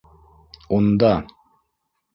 Унда!..